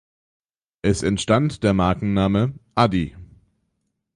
Es entstand der Markenname „addi“.